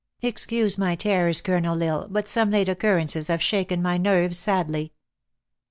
Excuse my terrors, Colonel L Isle, but some late oc currences have shaken my nerves sadly."